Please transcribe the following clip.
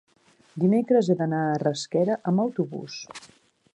dimecres he d'anar a Rasquera amb autobús.